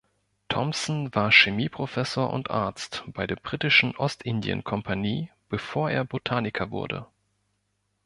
Thomson war Chemie-Professor und Arzt bei der Britischen Ostindien-Kompanie bevor er Botaniker wurde.